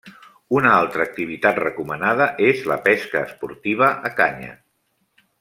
Una altra activitat recomanada és la pesca esportiva a canya.